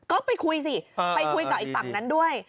ก็ไปคุยสิไปคุยกับอีกฝั่งนั้นด้วย